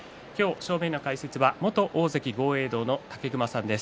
正面の解説は元大関豪栄道の武隈さんです。